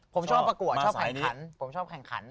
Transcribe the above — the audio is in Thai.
ผมชอบปรากวดชอบแข่งขัน